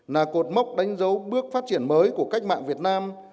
là cột mốc đánh dấu bước phát triển mới của cách mạng việt nam